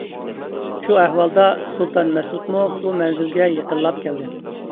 شۇ ئەھۋالدا سۇلتان مەسئۇدمۇ بۇ مەنزىلگە يېقىنلاپ كەلدى.